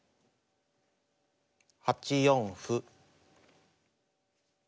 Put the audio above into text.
８四歩。